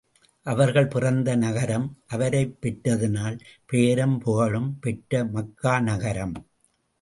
அவர்கள் பிறந்த நகரம், அவரைப் பெற்றதனால் பெயரும் புகழும் பெற்ற மக்கா நகரம்.